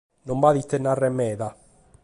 No b’at ite nàrrere meda.